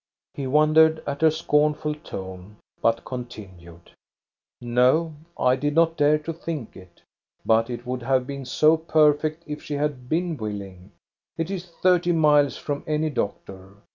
He wondered at her scornful tone, but continued :" No, I did not dare to think it ; but it would have been so perfect if she had been willing. It is thirty miles from any doctor.